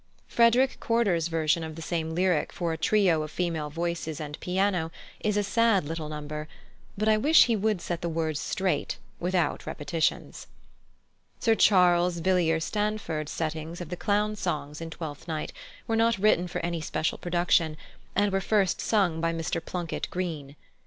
+Frederick Corder's+ version of the same lyric for a trio of female voices and piano is a sad little number; but I wish he would set the words straight, without repetitions. +Sir Charles Villiers Stanford's+ settings of the "Clown's songs" in Twelfth Night were not written for any special production, and were first sung by Mr Plunket Greene.